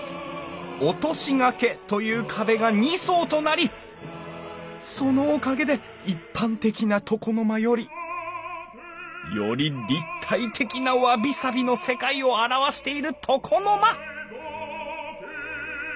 落とし掛けという壁が２層となりそのおかげで一般的な床の間よりより立体的なわびさびの世界を表している床の間！